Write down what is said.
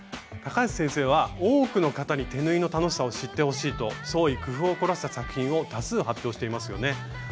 高橋先生は多くの方に手縫いの楽しさを知ってほしいと創意工夫を凝らした作品を多数発表していますよね。